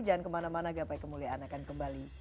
jangan kemana mana gapai kemuliaan akan kembali